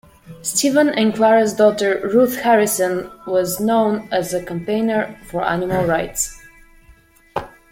Stephen and Clara's daughter Ruth Harrison was known as a campaigner for animal rights.